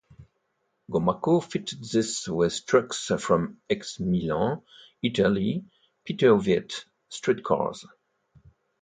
Gomaco fitted these with trucks from ex-Milan, Italy Peter Witt streetcars.